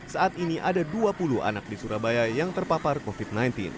saat ini ada dua puluh anak di surabaya yang terpapar covid sembilan belas